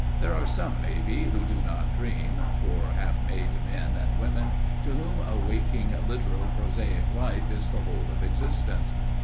There are some, maybe, who do not dream, poor half made men and women, to whom a waking, literal prosaic life is the whole of existence.